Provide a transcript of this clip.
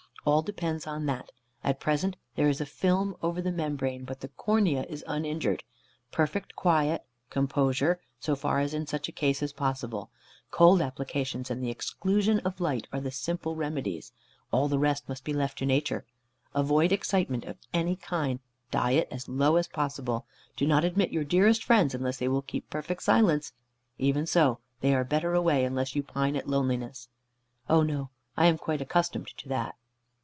All depends on that. At present there is a film over the membrane, but the cornea is uninjured. Perfect quiet, composure, so far as in such a case is possible, cold applications, and the exclusion of light, are the simple remedies. All the rest must be left to nature. Avoid excitement of any kind. Diet as low as possible. Do not admit your dearest friends, unless they will keep perfect silence. Even so, they are better away, unless you pine at loneliness." "Oh no. I am quite accustomed to that."